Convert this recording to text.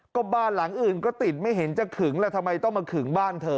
ก็บ้านหลังอื่นก็ติดไม่เห็นจะขึงล่ะทำไมต้องมาขึงบ้านเธอ